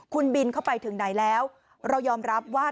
คุณบินเข้าไปถึงไหนแล้วเรายอมรับว่า